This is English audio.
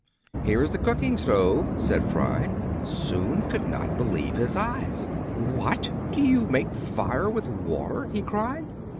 Here is the cooking stove," said Fry. Soun could hardly believe his eyes. "What! do you make fire with water.?" he cried.